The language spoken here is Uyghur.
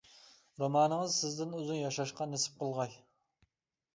رومانىڭىز سىزدىن ئۇزۇن ياشاشقا نېسىپ قىلغاي!